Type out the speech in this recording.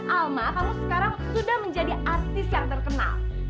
alma kamu sekarang sudah menjadi artis yang terkenal